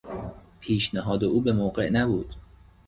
پیشنهاد او به موقع نبود.